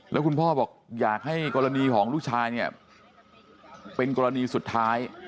แล้วคุณพ่อบอกอยากให้กรณีของลูกชายเนี่ยเป็นกรณีสุดท้าย